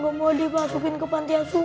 aku gak mau dimasukin ke panti asuhan